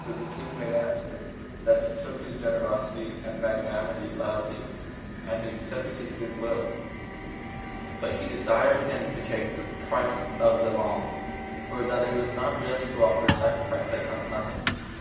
But the king made answer, that he took his generosity and magnanimity loudly, and accepted his good will, but he desired him to take the price of them all, for that it was not just to offer a sacrifice that cost nothing.